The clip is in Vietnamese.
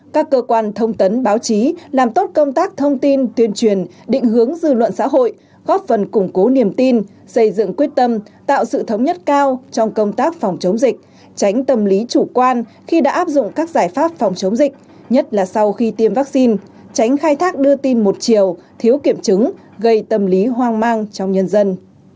sáu các cơ quan thông tấn báo chí làm tốt công tác thông tin tuyên truyền định hướng dư luận xã hội góp phần củng cố niềm tin xây dựng quyết tâm tạo sự thống nhất cao trong công tác phòng chống dịch tránh tâm lý chủ quan khi đã áp dụng các giải pháp phòng chống dịch nhất là sau khi tiêm vaccine tránh khai thác đưa tin một chiều thiếu kiểm chứng gây tâm lý hoang mang trong nhân dân